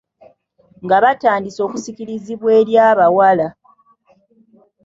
Nga batandise okusikirizibwa eri abawala.